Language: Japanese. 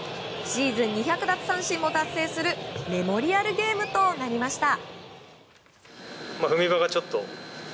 シーズン２００奪三振も達成するメモリアルゲームとなりました。